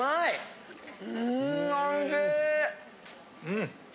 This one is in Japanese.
うん！